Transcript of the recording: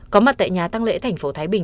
có mặt tại nhà tăng lễ thành phố thái bình